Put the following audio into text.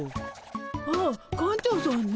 ああ館長さんね。